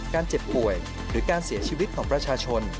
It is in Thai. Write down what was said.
เจ็บป่วยหรือการเสียชีวิตของประชาชน